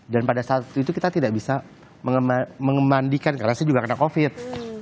dan pada saat itu kita tidak bisa memandikan karena saya juga kena covid